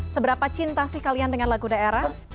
seberapa cinta sih kalian dengan lagu daerah